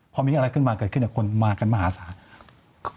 พอมีอะไรเกิดขึ้นคนมากันมาหาศาสตร์